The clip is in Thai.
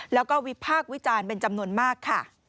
แล้วก็วิพากษ์วิจารณ์เป็นจำนวนมากค่ะ